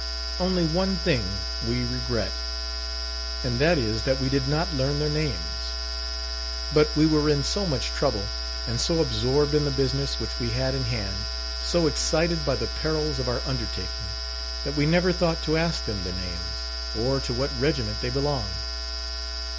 Only one thing we regret, and that is that we did not learn their names; but we were in so much trouble, and so absorbed in the business which we had in hand so excited by the perils of our undertaking, that we never thought to ask them their names, or to what regiment they belonged.